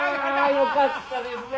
よかったですね！